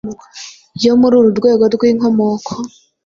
yo muri uru rwego rw'inkomoko